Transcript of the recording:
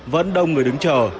vẫn đông người đứng chờ